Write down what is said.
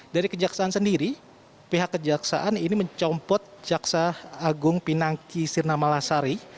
dari kejaksaan sendiri pihak kejaksaan ini mencompot jaksa agung pinangki sirna malasari